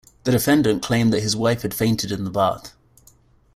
The defendant claimed that his wife had fainted in the bath.